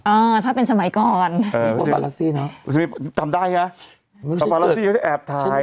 อ่าถ้าเป็นสมัยก่อนเออปราปารัสซี่เนอะทำได้ฮะปราปารัสซี่เขาจะแอบถ่าย